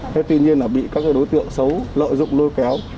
thế tuy nhiên là bị các đối tượng xấu lợi dụng lôi kéo